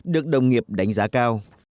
được đồng nghiệp đánh giá cao